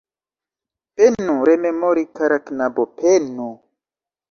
Penu rememori, kara knabo, penu.